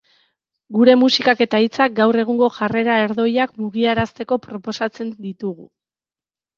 Gure musikak eta hitzak gaur egungo jarrera erdoilak mugiarazteko proposatzen ditugu.